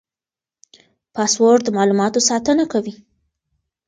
پاسورډ د معلوماتو ساتنه کوي.